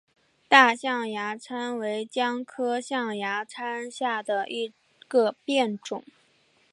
大象牙参为姜科象牙参属下的一个变种。